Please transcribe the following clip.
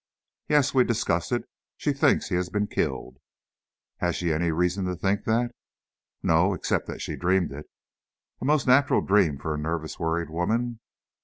"Yes; we discussed it. She thinks he has been killed." "Has she any reason to think that?" "No, except that she dreamed it." "A most natural dream for a nervous, worried woman."